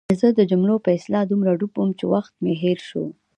زه د جملو په اصلاح دومره ډوب وم چې وخت مې هېر شو.